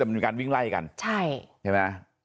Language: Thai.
แต่มีการวิ่งไล่กันใช่ไหม